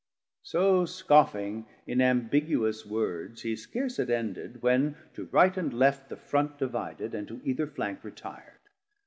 So scoffing in ambiguous words, he scarce Had ended; when to Right and Left the Front Divided, and to either Flank retir'd.